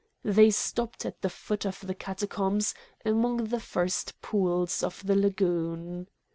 They stopped at the foot of the Catacombs among the first pools of the Lagoon.